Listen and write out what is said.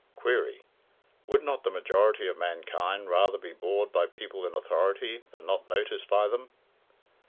Query: Would not the majority of mankind rather be bored by people in authority than not noticed by them?